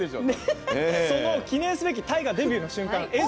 その記念すべき大河デビューの瞬間。